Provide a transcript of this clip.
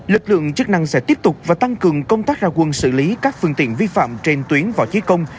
lực lượng chức năng sẽ tiếp tục và tăng cường công tác ra quân xử lý các phương tiện vi phạm trên tuyến võ chí công